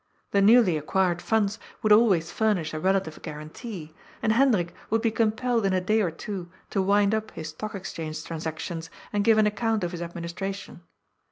The newly acquired funds would al ways furnish a relative guarantee, and Hendrik would be compelled in a day or two to wind up his Stock Exchange transactions and give an account of his administration.